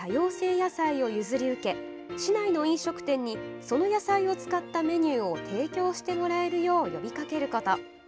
野菜を譲り受け市内の飲食店にその野菜を使ったメニューを提供してもらえるよう呼びかけること。